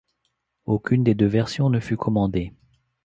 Aucune des deux versions ne fut commandée.